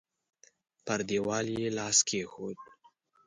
پر دېوال يې لاس کېښود.